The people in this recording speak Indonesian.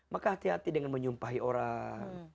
maka hati hati dengan menyumpahi orang